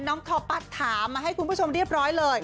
ทอปัดถามมาให้คุณผู้ชมเรียบร้อยเลย